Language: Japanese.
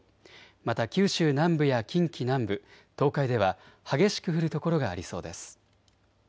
また九州南部や近畿南部、東海では激しく降る所がありそうです。